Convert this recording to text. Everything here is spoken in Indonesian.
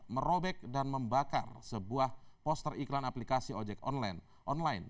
merobek dan membakar sebuah poster iklan aplikasi ojek online